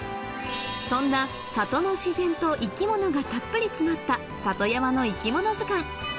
そんな里の自然と生き物がたっぷり詰まった『里山の生き物図鑑』